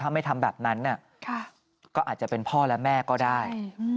ถ้าไม่ทำแบบนั้นก็อาจจะเป็นพ่อและแม่ก็ได้